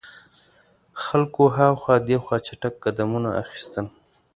خلکو هاخوا دیخوا چټګ قدمونه اخیستل.